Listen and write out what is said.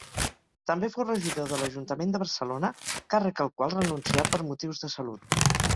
També fou regidor de l'Ajuntament de Barcelona, càrrec al qual renuncià per motius de salut.